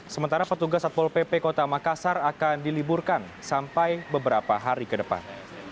sementara petugas satpol pp kota makassar akan diliburkan sampai beberapa hari ke depan